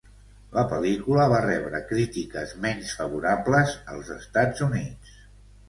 La pel·lícula va rebre crítiques menys favorables als Estats Units.